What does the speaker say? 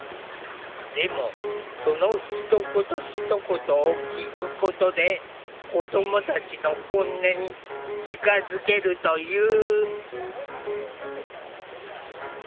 でもそのひと言ひと言を聴くことで子どもたちの本音に近づけるという。